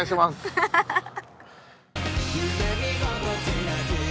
ハハハハ！